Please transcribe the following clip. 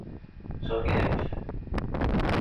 Schon geimpft?